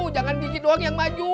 jangan biji doang yang maju